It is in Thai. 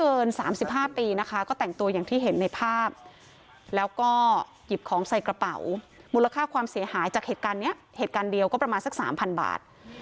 เกิน๓๕ปีนะคะก็แต่งตัวอย่างที่เห็นในภาพแล้วก็หยิบของใส่กระเป๋ามูลค่าความเสียหายจากเหตุการณ์เนี้ยเหตุการณ์เดียวก็ประมาณสักสามพันบาท